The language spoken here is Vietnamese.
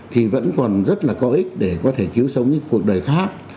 thì vẫn còn rất là có ích để có thể cứu sống những cuộc đời khác